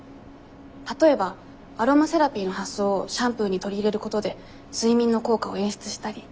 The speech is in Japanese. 例えばアロマセラピーの発想をシャンプーに取り入れることで睡眠の効果を演出したり。